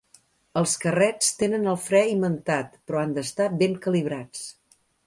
Els carrets tenen el fre imantat, però han d'estar ben calibrats.